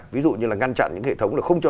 ví dụ như là ngăn chặn những hệ thống là không cho